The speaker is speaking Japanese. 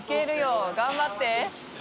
襪頑張って。